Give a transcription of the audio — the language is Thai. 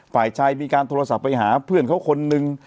ฝ่ายชายมีการโทรศัพท์ไปหาเพื่อนเขาคนนึง